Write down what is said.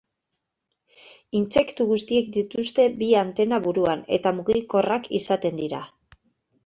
Intsektu guztiek dituzte bi antena buruan eta mugikorrak izaten dira.